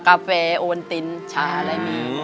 กาแฟโอนตินชาอะไรมี